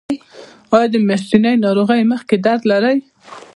ایا د میاشتنۍ ناروغۍ مخکې درد لرئ؟